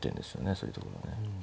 そういうところはね。